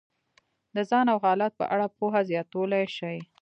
د ځان او حالت په اړه پوهه زیاتولی شي.